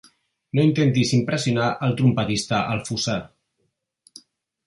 No intentis impressionar el trompetista al fossar.